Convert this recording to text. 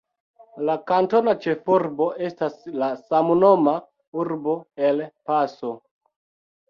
La kantona ĉefurbo estas la samnoma urbo El Paso.